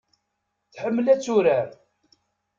Tḥemmel ad turar.